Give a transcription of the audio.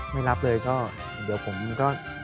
ไม่รับเลยก็เดี๋ยวผมก็